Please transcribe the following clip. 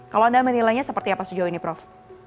kalau anda menilainya seperti apa sejauh ini prof